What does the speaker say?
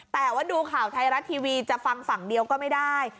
แต่ว่าดูข่าวไทยรัฐทีวีจะฟังฝั่งเดียวก็ไม่ได้